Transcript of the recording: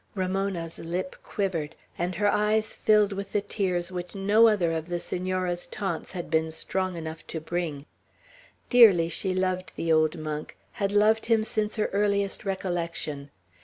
Ramona's lip quivered, and her eyes filled with the tears which no other of the Senora's taunts had been strong enough to bring. Dearly she loved the old monk; had loved him since her earliest recollection.